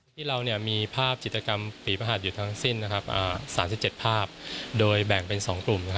ที่เรามีภาพจิตกรรมฝีพระหัสอยู่ทั้งสิ้น๓๗ภาพโดยแบ่งเป็น๒กลุ่ม